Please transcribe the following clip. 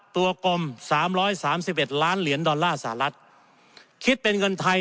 กลมสามร้อยสามสิบเอ็ดล้านเหรียญดอลลาร์สหรัฐคิดเป็นเงินไทย